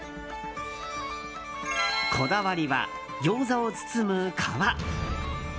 こだわりはギョーザを包む皮。